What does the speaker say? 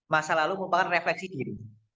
masa lalu merupakan refleksi diri